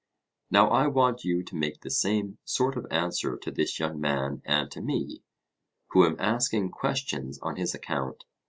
Now I want you to make the same sort of answer to this young man and to me, who am asking questions on his account.